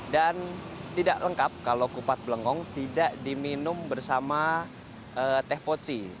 dan tidak lengkap kalau kupat belengong tidak diminum bersama teh poci